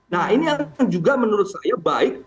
nah ini yang juga menurut saya baik